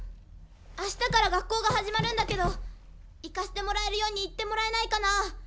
あしたから学校が始まるんだけど行かせてもらえるように言ってもらえないかな？